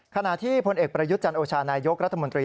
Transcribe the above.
ขณะที่พลเอกประยุทธ์จันโอชานายกรัฐมนตรี